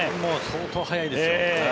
相当速いですよ。